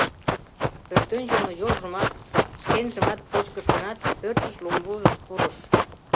Пӧртӧнчылнӧ йолжымат, шенжымат почкыш гынат, пӧртыш лумвузык пурыш.